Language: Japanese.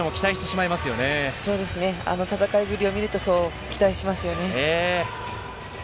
そうですね、あの戦いぶりを見ると、そう期待しますよね。